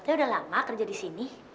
buatnya udah lama kerja disini